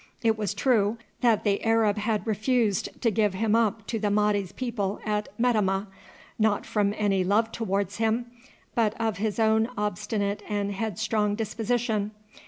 It was true that the Arab had refused to give him up to the Mahdi's people at Metemmeh, not from any love towards him, but of his own obstinate and headstrong disposition.